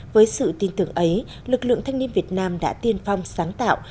với sự tin tưởng ấy lực lượng thanh niên việt nam đã tiên phong sáng tạo